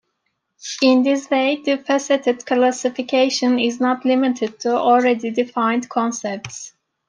In this way, the faceted classification is not limited to already defined concepts.